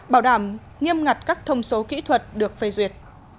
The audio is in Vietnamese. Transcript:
bảo đảm nghiêm ngặt các thông số kỹ thuật được phê duyệt